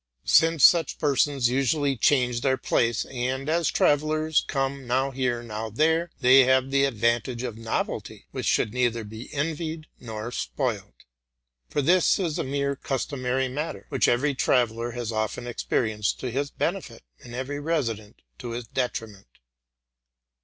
Since such persons usually change their place, and as travellers come, now here, now there, they have the advantage of novelty, which should neither be envied nor spoiled; for this is a mere customary matter, which every traveller has often experienced to his benefit, and every resident to his detriment.